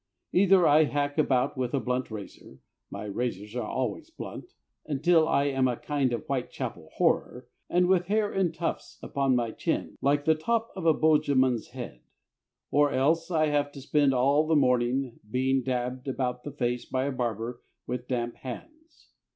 Either I hack about with a blunt razor my razors are always blunt until I am a kind of Whitechapel Horror, and with hair in tufts upon my chin like the top of a Bosjesman's head, or else I have to spend all the morning being dabbed about the face by a barber with damp hands.